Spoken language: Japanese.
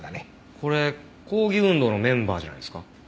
これ抗議運動のメンバーじゃないですか？